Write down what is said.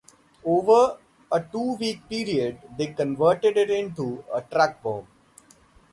Over a two-week period they converted it into a truck bomb.